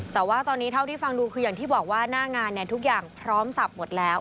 แต่ว่าตอนนี้เท่าที่ฟังดูคืออย่างที่บอกว่าหน้างานเนี่ยทุกอย่างพร้อมสับหมดแล้ว